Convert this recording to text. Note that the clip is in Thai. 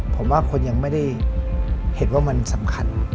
ผมว่าคนยังไม่ได้เห็นว่ามันสำคัญ